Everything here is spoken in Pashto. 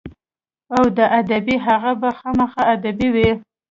او د ادبي هغه به خامخا ادبي وي.